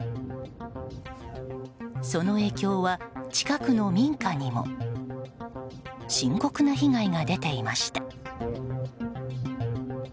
その影響は近くの民家にも深刻な被害が出ていました。